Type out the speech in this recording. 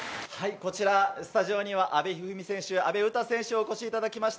スタジオには阿部一二三選手、阿部詩選手にお越しいただきました。